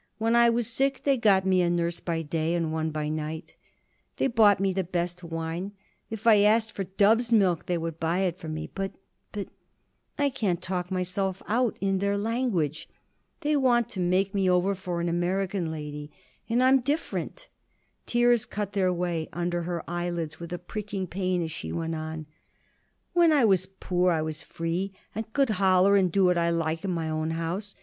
When I was sick, they got me a nurse by day and one by night. They bought me the best wine. If I asked for dove's milk, they would buy it for me; but but I can't talk myself out in their language. They want to make me over for an American lady, and I'm different." Tears cut their way under her eyelids with a pricking pain as she went on: "When I was poor, I was free, and could holler and do what I like in my own house.